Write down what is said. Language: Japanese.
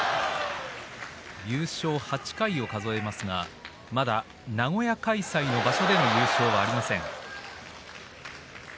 優勝８回を数えますが名古屋場所開催での優勝はありません。